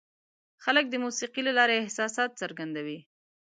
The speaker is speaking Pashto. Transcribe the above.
خلک د موسیقۍ له لارې احساسات څرګندوي.